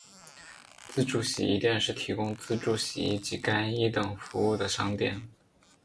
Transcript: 自助洗衣店是提供自助洗衣及干衣等服务的商店。